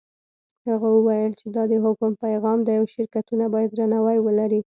هغه وویل چې دا د حکم پیغام دی او شرکتونه باید درناوی ولري.